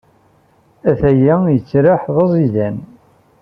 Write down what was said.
Atay-a yettraḥ d aẓidan.